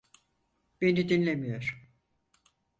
Beni dinlemiyor.